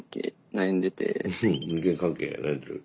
うん人間関係悩んでる。